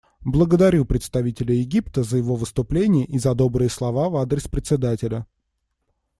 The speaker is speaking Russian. Благодарю представителя Египта за его выступление и за добрые слова в адрес Председателя.